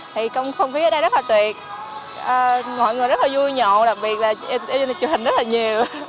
thì không khí ở đây rất là tuyệt mọi người rất là vui nhộn đặc biệt là em truyền hình rất là nhiều